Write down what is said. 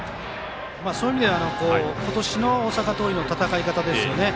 そういう意味では今年の大阪桐蔭の戦い方ですね。